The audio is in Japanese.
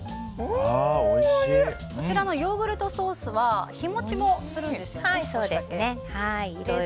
こちらのヨーグルトソースは日持ちもするんですよね。